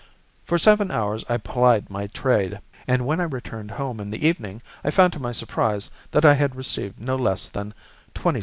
For seven hours I plied my trade, and when I returned home in the evening I found to my surprise that I had received no less than 26_s_.